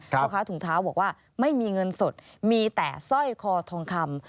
พ่อค้าถุงเท้าบอกว่าไม่มีเงินสดมีแต่สร้อยคอทองคำ